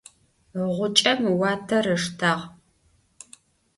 Ğuç'em vuater ışştağ.